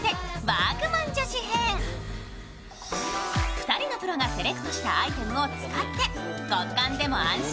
２人のプロがセレクトしたアイテムを使って「極寒でも安心！